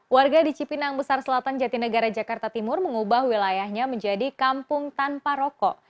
warga di cipinang besar selatan jatinegara jakarta timur mengubah wilayahnya menjadi kampung tanpa rokok